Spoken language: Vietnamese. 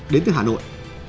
đến từ hà nội